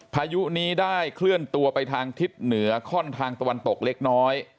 พายุนี้ได้เคลื่อนตัวไปทางทิศเหนือค่อนทางตะวันตกเล็กน้อย